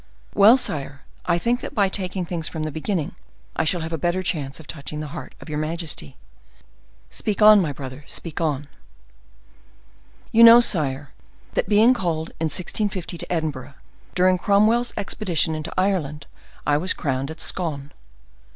"Well, sire, I think that by taking things from the beginning I shall have a better chance of touching the heart of your majesty." "Speak on, my brother—speak on." "You know, sire, that being called in 1650 to Edinburgh, during Cromwell's expedition into Ireland, I was crowned at Scone.